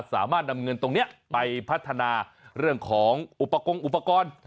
สามารถนำเงินตรงนี้ไปพัฒนาเรื่องของอุปกรณ์อุปกรณ์